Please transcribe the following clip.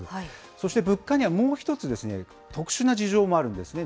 そして物価にはもう一つ、特殊な事情もあるんですね。